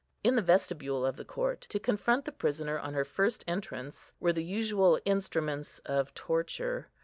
In the vestibule of the court, to confront the prisoner on her first entrance, were the usual instruments of torture.